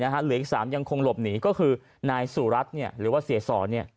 เหลืออีก๓ยังคงหลบหนีก็คือนายสุรัตน์หรือว่าเสียสอ